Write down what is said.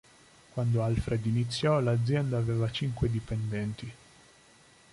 Quando Alfred iniziò, l'azienda aveva cinque dipendenti.